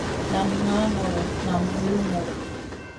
Nam ŋah ŋolo nam vul ŋolo.